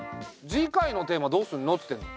次回のテーマどうすんのっつってんの。